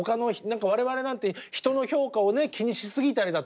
我々なんて人の評価を気にしすぎたりだとかね。